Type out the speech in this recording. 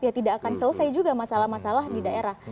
ya tidak akan selesai juga masalah masalah di daerah